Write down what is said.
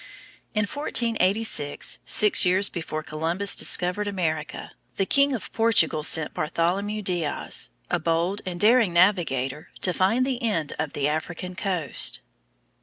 In 1486, six years before Columbus discovered America, the King of Portugal sent Bartholomew Diaz, a bold and daring navigator, to find the end of the African coast.